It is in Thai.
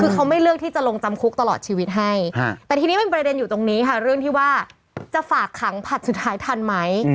คือเขาไม่เลือกที่จะลงจำคุกตลอดชีวิตให้แต่ทีนี้มันประเด็นอยู่ตรงนี้ค่ะเรื่องที่ว่าจะฝากขังผลัดสุดท้ายทันไหม